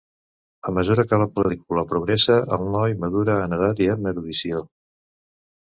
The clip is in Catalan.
A mesura que la pel·lícula progressa, el noi madura en edat i en erudició.